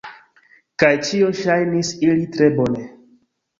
Kaj ĉio ŝajnis iri tre bone.